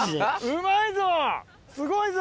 うまいぞ！